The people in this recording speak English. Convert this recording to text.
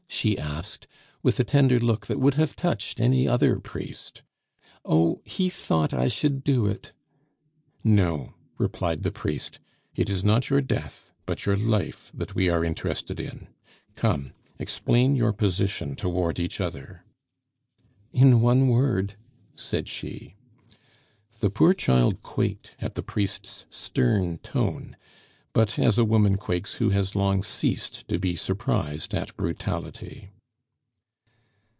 she asked, with a tender look that would have touched any other priest! "Oh, he thought I should do it!" "No," replied the priest; "it is not your death, but your life that we are interested in. Come, explain your position toward each other." "In one word," said she. The poor child quaked at the priest's stern tone, but as a woman quakes who has long ceased to be surprised at brutality.